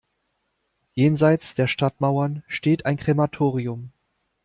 Jenseits der Stadtmauern steht ein Krematorium.